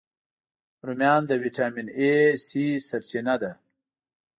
رومیان د ویټامین A، C سرچینه ده